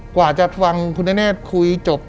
กว่าจะทวังคุณธนเนศคุยจบ